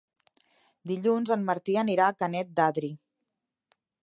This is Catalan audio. Dilluns en Martí anirà a Canet d'Adri.